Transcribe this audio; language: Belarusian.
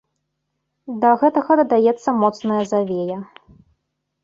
Да гэтага дадаецца моцная завея.